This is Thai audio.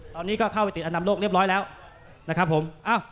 ตอนนี้ก็เข้าไปติดอันดับโลกเรียบร้อยแล้วนะครับผม